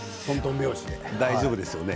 大丈夫ですよね。